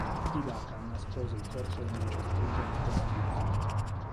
Hidaka nascose il corpo in un cespuglio nei pressi di un fiume.